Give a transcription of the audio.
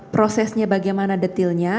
prosesnya bagaimana detilnya